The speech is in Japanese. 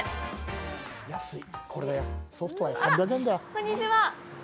こんにちは。